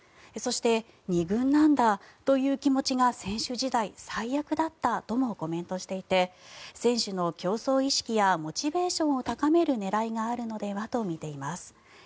そして２軍なんだという気持ちが選手時代、最悪だったともコメントしていて選手の競争意識やモチベーションを高める狙いがあるのではとみています。